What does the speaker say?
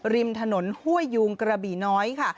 ริมถนนห้วยยูงกระบี่น้อยค่ะ